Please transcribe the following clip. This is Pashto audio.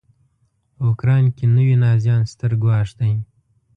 په اوکراین کې نوي نازیان ستر ګواښ دی.